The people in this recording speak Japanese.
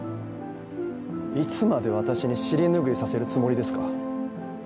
いつまで私に尻拭いさせるつもりですか。